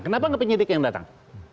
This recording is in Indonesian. kenapa nggak penyidik yang datang